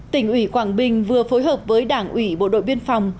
tỉnh ủy quảng bình vừa phối hợp với đảng ủy bộ đội biên phòng